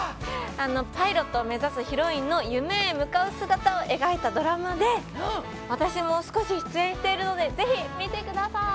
パイロットを目指すヒロインの夢へ向かう姿を描いたドラマで私も少し出演しているのでぜひ見てください。